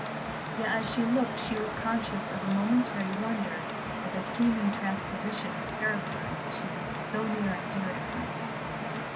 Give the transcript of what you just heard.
Yet as she looked she was conscious of a momentary wonder at the seeming transposition of character in the two so near and dear to her.